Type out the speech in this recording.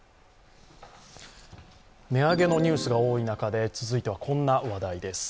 値上げのニュースが多い中で続いてはこんな話題です。